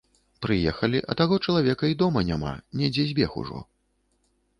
Прыехалі, а таго чалавека і дома няма, недзе збег ужо.